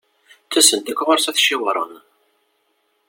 Ttasen-d akk ɣur-s ad t-ciwren.